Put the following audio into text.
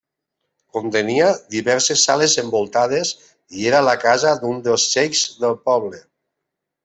Contenia diverses sales envoltades i era la casa d'un dels xeics del poble.